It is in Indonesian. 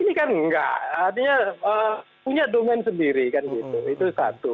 ini kan enggak artinya punya domain sendiri kan gitu itu satu